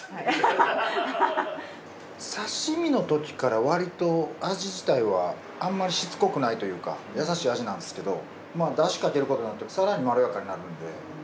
刺身のときからわりと味自体はあんまりしつこくないというかやさしい味なんですけど出汁かけることによって更にまろやかになるんで。